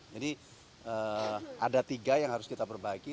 jadi ada tiga yang harus kita berbagi